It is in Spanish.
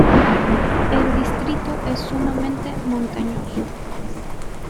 El distrito es sumamente montañoso.